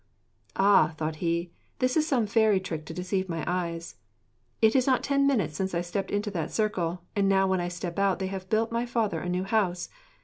'Ah,' thought he, 'this is some fairy trick to deceive my eyes. It is not ten minutes since I stepped into that circle, and now when I step out they have built my father a new house!